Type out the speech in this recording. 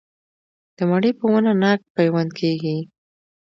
د مڼې په ونه ناک پیوند کیږي؟